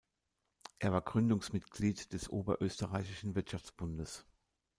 Er war Gründungsmitglied des Oberösterreichischen Wirtschaftsbundes.